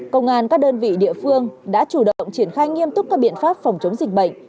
công an các đơn vị địa phương đã chủ động triển khai nghiêm túc các biện pháp phòng chống dịch bệnh